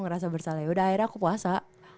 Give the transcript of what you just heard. ngerasa bersalah yaudah akhirnya aku puasa